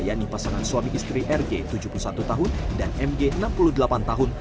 yaitu pasangan suami istri rg tujuh puluh satu tahun dan mg enam puluh delapan tahun